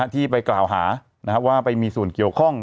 ที่ไปกล่าวหาว่าไปมีส่วนเกี่ยวข้อง